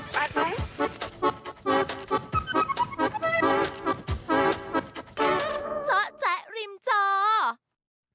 โปรดติดตามตอนต่อไป